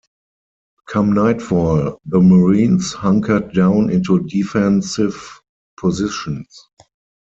Come nightfall, the Marines hunkered down into defensive positions.